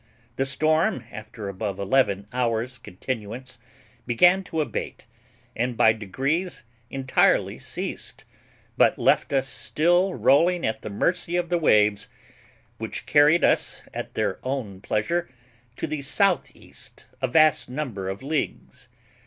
The storm, after above eleven hours' continuance, began to abate, and by degrees entirely ceased, but left us still rolling at the mercy of the waves, which carried us at their own pleasure to the south east a vast number of leagues.